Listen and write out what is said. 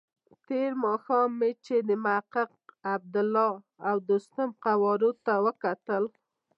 تېر ماښام مې چې د محقق، عبدالله او دوستم قوارو ته کتل.